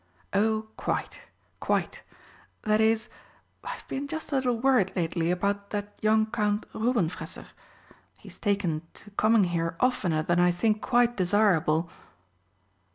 "Oh, quite quite that is, I've been just a little worried lately about that young Count Rubenfresser. He has taken to coming here oftener than I think quite desirable."